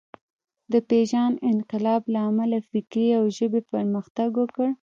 د پېژاند انقلاب له امله فکر او ژبې پرمختګ وکړ.